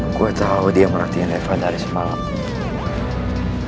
gue tau dia merhatiin reva dari sepanjang malam